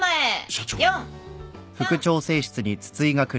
社長。